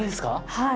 はい。